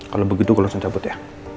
kalau begitu gue langsung cabut ya